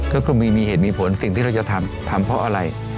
ก็คือมีเหตุมีผลสิ่งที่เราจะทำทำเพราะอะไร